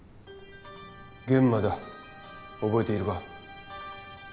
諫間だ覚えているか？